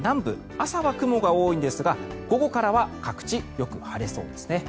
朝は雲が多いんですが午後からは各地よく晴れそうですね。